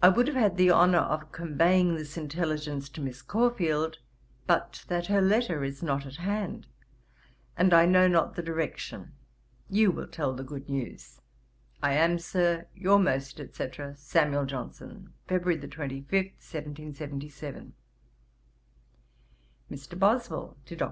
'I would have had the honour of conveying this intelligence to Miss Caulfield, but that her letter is not at hand, and I know not the direction. You will tell the good news. 'I am, Sir, 'Your most, &c. 'SAM. JOHNSON.' 'February 25, 1777.' 'MR. BOSWELL TO DR.